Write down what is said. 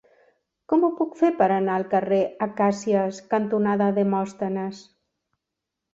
Com ho puc fer per anar al carrer Acàcies cantonada Demòstenes?